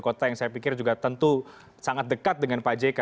kota yang saya pikir juga tentu sangat dekat dengan pak jk